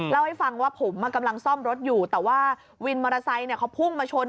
เล่าให้ฟังว่าผมกำลังซ่อมรถอยู่แต่ว่าวินมอเตอร์ไซค์เขาพุ่งมาชน